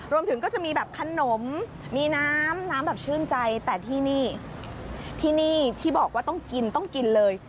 รวมถึงก็จะมีแบบขนมมีน้ำน้ำแบบชื่นใจแต่ที่นี่ที่นี่ที่บอกว่าต้องกินต้องกินเลย